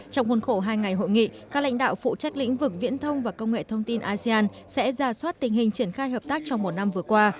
trong khuôn khổ hai ngày hội nghị các lãnh đạo phụ trách lĩnh vực viễn thông và công nghệ thông tin asean sẽ ra soát tình hình triển khai hợp tác trong một năm vừa qua